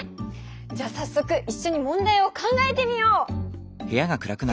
じゃあさっそくいっしょに問題を考えてみよう！